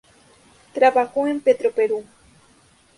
Trabajó en Petroperú.